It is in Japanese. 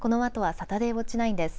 サタデーウオッチ９です。